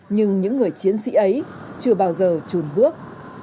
nhưng những người chiến sĩ ấy chưa bao giờ trùn bước